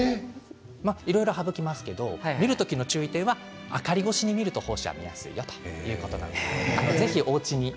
いろいろはぶきますが見る時の注意点は明かり越しに見ると胞子が見やすいということです。